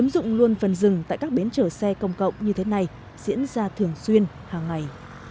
đừng tại các bến chở xe công cộng như thế này diễn ra thường xuyên hàng ngày